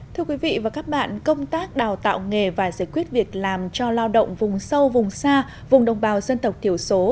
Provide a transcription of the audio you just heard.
thưa quý vị và các bạn công tác đào tạo nghề và giải quyết việc làm cho lao động vùng sâu vùng xa vùng đồng bào dân tộc thiểu số